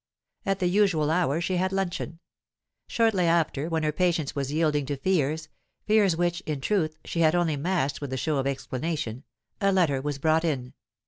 At the usual hour she had luncheon. Shortly after, when her patience was yielding to fears fears which, in truth, she had only masked with the show of explanation a letter was brought in.